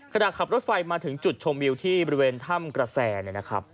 ขณะขับรถไฟมาถึงจุดชมวิวที่บริเวณถ้ำกระแสนะครับ